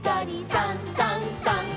「さんさんさん」